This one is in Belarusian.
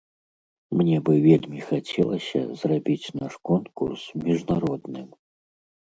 Мне бы вельмі хацелася зрабіць наш конкурс міжнародным.